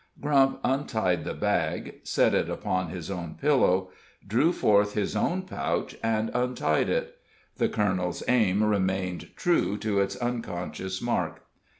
Grump untied the bag, set it upon his own pillow, drew forth his own pouch, and untied it; the colonel's aim remained true to its unconscious mark.